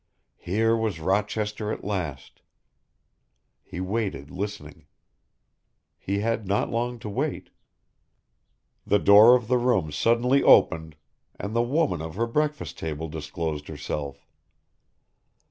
Here was Rochester at last. He waited listening. He had not long to wait. The door of the room suddenly opened, and the woman of the breakfast table disclosed herself.